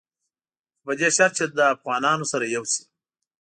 خو په دې شرط چې له افغانانو سره یو شي.